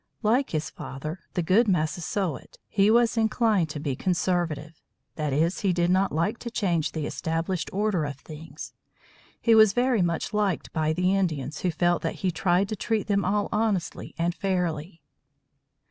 Like his father, the good Massasoit, he was inclined to be conservative; that is, he did not like to change the established order of things. He was very much liked by the Indians, who felt that he tried to treat them all honestly and fairly.